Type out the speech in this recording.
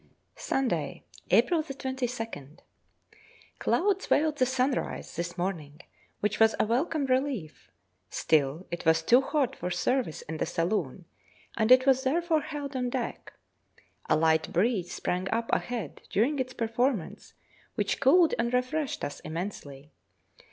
Sunday, April 22nd. Clouds veiled the sunrise this morning, which was a welcome relief; still it was too hot for service in the saloon, and it was therefore held on deck. A light breeze sprang up ahead during its performance, which cooled and refreshed us immensely.